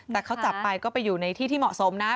แต่เขาจับไปก็ไปอยู่ในที่ที่เหมาะสมนะ